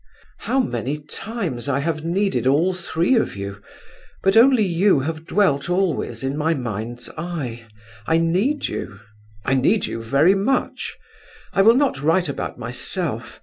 How many times I have needed all three of you; but only you have dwelt always in my mind's eye. I need you—I need you very much. I will not write about myself.